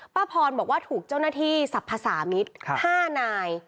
พรบอกว่าถูกเจ้าหน้าที่สรรพสามิตร๕นาย